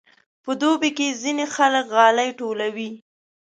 په دوبي کې ځینې خلک غالۍ ټولوي.